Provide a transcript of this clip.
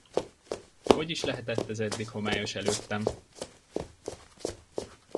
Hogy is lehetett ez eddig homályos előttem?